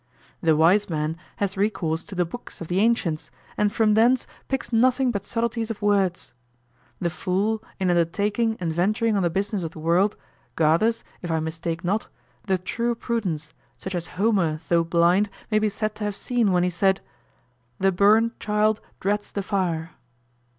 The wise man has recourse to the books of the ancients, and from thence picks nothing but subtleties of words. The fool, in undertaking and venturing on the business of the world, gathers, if I mistake not, the true prudence, such as Homer though blind may be said to have seen when he said, "The burnt child dreads the fire."